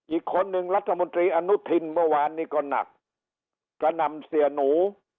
อีกคนนึงรัฐมนตรีอนุทินเมื่อวานนี้ก็หนักกระนำเสียหนู